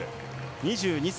２２歳。